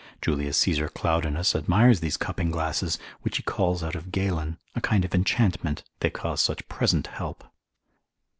Julius Caesar Claudinus respons. med. resp. 33. admires these cupping glasses, which he calls out of Galen, a kind of enchantment, they cause such present help.